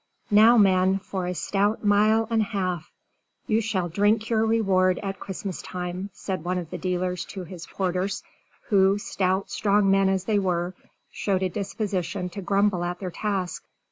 "Now, men, for a stout mile and half! You shall drink your reward at Christmas time," said one of the dealers to his porters, who, stout, strong men as they were, showed a disposition to grumble at their task.